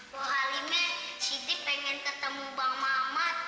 wah hal ini siddiq pengen ketemu bang mama